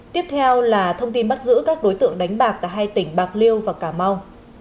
tiếp theo là thông tin bắt giữ các đối tượng đánh bạc tại hai tỉnh bạc liêu và cà mau